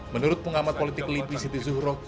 menurut pengamat politik lipi siti zuhroh